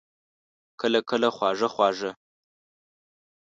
کله، کله خواږه، خواږه